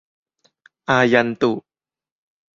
อายันตุ